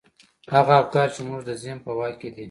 هغه افکار چې زموږ د ذهن په واک کې دي.